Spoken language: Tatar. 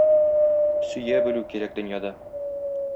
Сөя белү кирәк дөньяда...